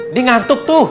ini ngantuk tuh